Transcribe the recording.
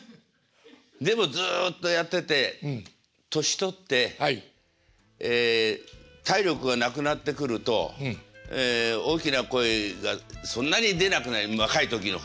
でもずっとやってて年取ってえ体力がなくなってくると大きな声がそんなに出なく若い時の。